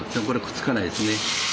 これくっつかないですね。